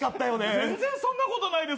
全然そんなことないです